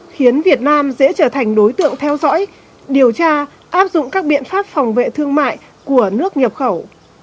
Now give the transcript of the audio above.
khiến việt nam dễ trở thành đối tượng theo dõi điều tra áp dụng các biện pháp phòng vệ thương mại của nước nhập khẩu